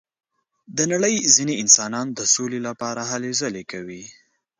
د نړۍ ځینې انسانان د سولې لپاره هلې ځلې کوي.